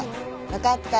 分かった。